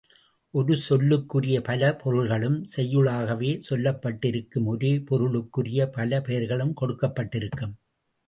ஒரு சொல்லுக்குரிய பல பொருள்களும் செய்யுளாகவே சொல்லப்பட்டிருக்கும் ஒரே பொருளுக்குரிய பல பெயர்களும் கொடுக்கப்பட்டிருக்கும்.